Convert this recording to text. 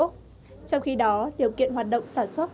trong khi đó điều kiện hoạt động sản xuất